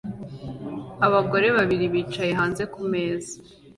Abagore babiri bicaye hanze kumeza